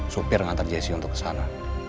supir ngantar jesse untuk kesana